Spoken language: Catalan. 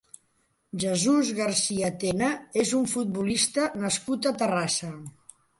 Jesús García Tena és un futbolista nascut a Terrassa.